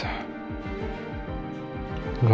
jangan tuh nunggu